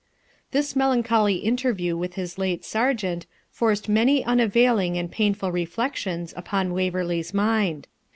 This melancholy interview with his late sergeant forced many unavailing and painful reflections upon Waverley's mind.